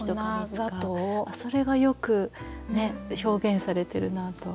それがよく表現されてるなと。